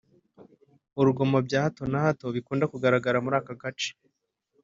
urugomo bya hato na hato bikunda kugaragara muri aka gace